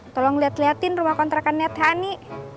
tolong liat liatin rumah kontrakan netani